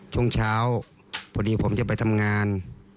ช่วงเช้าพอดีผมจะไปทำงาน